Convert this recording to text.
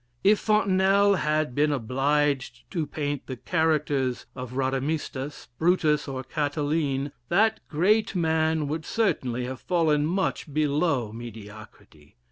If Fontenelle had been obliged to paint the characters of Rhadamistus, Brutus, or Cataline, that great man would certainly have fallen much below mediocrity....